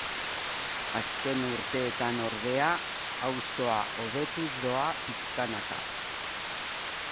Azken urteetan ordea, auzoa hobetuz doa pixkanaka.